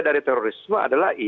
dari terorisme adalah